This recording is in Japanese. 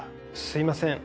すいません。